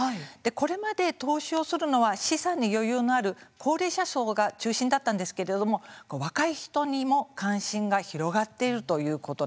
これまで、投資をするのは資産に余裕のある高齢者層が中心だったんですけれども若い人にも関心が広がっているということなんです。